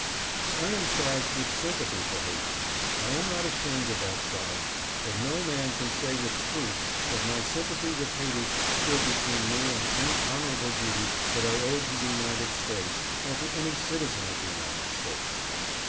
" I am charged with sympathy for Haiti. I am not ashamed of that charge ; but no man can say with truth that my sympathy with Haiti stood between me and any honorable duty that I owed to the United States or to any citizen of the United States.